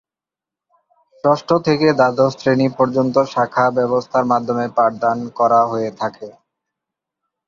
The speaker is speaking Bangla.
ষষ্ঠ থেকে দ্বাদশ শ্রেণী পর্যন্ত শাখা ব্যবস্থার মাধ্যমে পাঠদান করা হয়ে থাকে।